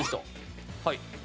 はい。